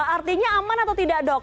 artinya aman atau tidak dok